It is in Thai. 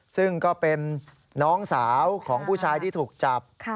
ซึ่งก็เป็นน้องสาวของผู้ชายที่ถูกจับ